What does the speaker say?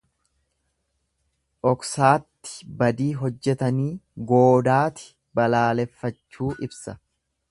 Dhoksaatti badii hojjetanii goodaati balaaleffachuu ibsa.